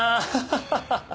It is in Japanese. ハハハハ。